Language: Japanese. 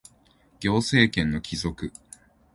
行政権の帰属